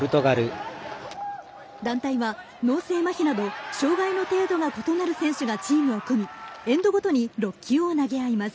団体は脳性まひなど障がいの程度が異なる選手たちがチームを組みエンドごとに６球を投げ合います。